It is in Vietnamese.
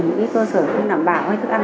những phần thưởng học cuối năm